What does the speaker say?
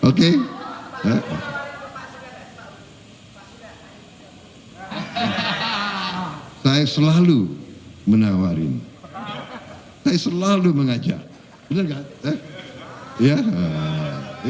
ndak juga membahas soal ajakan untuk bergabung dalam koalisi prabowo mengaku selalu menawari dan mengajak surya pada memberkati insyathat pada bahwa al worti gimana